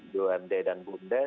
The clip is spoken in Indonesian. bumd dan bumd